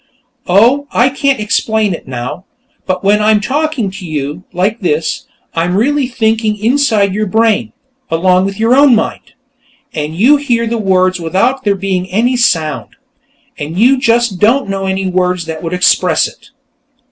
Oh, I can't explain it now! But when I'm talking to you, like this, I'm really thinking inside your brain, along with your own mind, and you hear the words without there being any sound. And you just don't know any words that would express it."